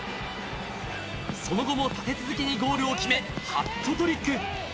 その後も立て続けにゴールを決めハットトリック。